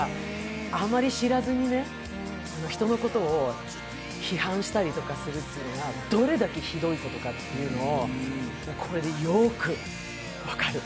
あまり知らずに、人のことを批判したりとかするというのがどれだけひどいことかっていうのをこれでよーく分かる。